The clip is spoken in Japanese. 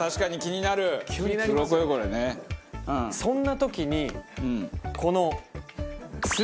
そんな時にこの。